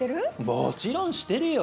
もちろんしてるよ。